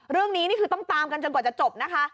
นี่คือต้องตามกันจนกว่าจะจบนะคะ